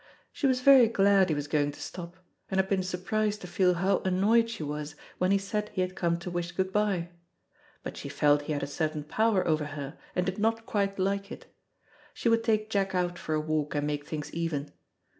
She was very glad he was going to stop, and had been surprised to feel how annoyed she was when he said he had come to wish good bye. But she felt he had a certain power over her, and did not quite like it. She would take Jack out for a walk and make things even.